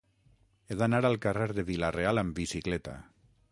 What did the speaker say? He d'anar al carrer de Vila-real amb bicicleta.